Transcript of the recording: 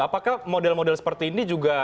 apakah model model seperti ini juga